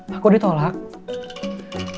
kalau dia sudah siap eines man